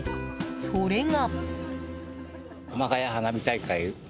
それが。